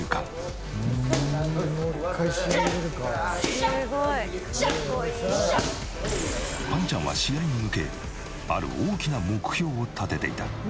ぱんちゃんは試合に向けある大きな目標を立てていた。